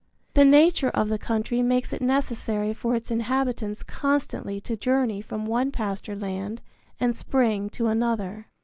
The nature of the country makes it necessary for its inhabitants constantly to journey from one pasture land and spring to another.